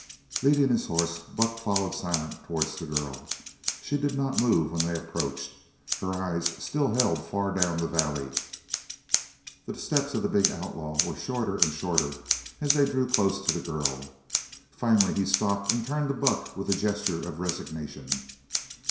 Leading his horse, Buck followed Silent towards the girl. She did not move when they approached. Her eyes still held far down the valley. The steps of the big outlaw were shorter and shorter as they drew close to the girl. Finally he stopped and turned to Buck with a gesture of resignation.